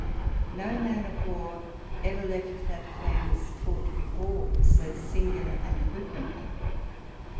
No man of war ever left that famous port before with so singular an equipment.